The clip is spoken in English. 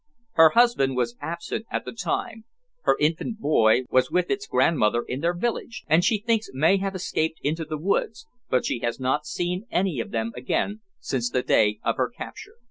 Her husband was absent at the time; her infant boy was with its grandmother in their village, and she thinks may have escaped into the woods, but she has not seen any of them again since the day of her capture."